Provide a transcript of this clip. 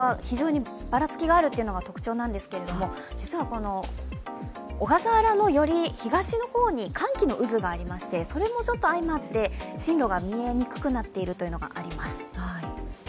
まさに予想がばらつきがあるというのが特徴なんですが実はこの小笠原のより東の方に寒気がありましてそれも相まって進路が見えにくくなっているというのがあります。